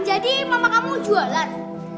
jadi mama kamu jualan